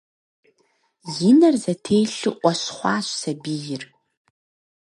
И нэр зэтелъу Ӏуэщхъуащ сабийр.